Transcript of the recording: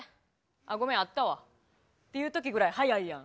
あごめんあったわ」。っていう時ぐらい早いやん。